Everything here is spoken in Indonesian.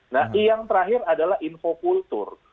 nah yang terakhir adalah info kultur